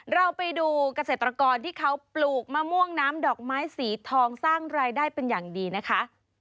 เราไปดูเกษตรกรที่เขาปลูกมะม่วงน้ำดอกไม้สีทองสร้างรายได้เป็นอย่างดีนะคะ